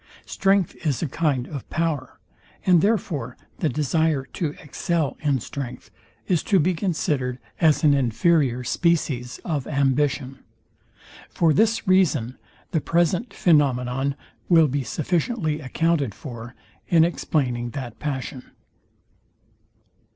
Strength is a kind of power; and therefore the desire to excel in strength is to be considered as an inferior species of ambition. For this reason the present phænomenon will be sufficiently accounted for, in explaining that passion.